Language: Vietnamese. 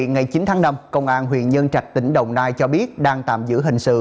ngày chín tháng năm công an huyện nhân trạch tỉnh đồng nai cho biết đang tạm giữ hình sự